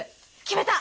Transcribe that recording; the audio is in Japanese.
決めた。